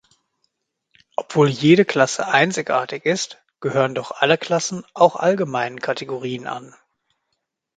Obwohl jede Klasse einzigartig ist, gehören doch alle Klassen auch allgemeinen Kategorien an.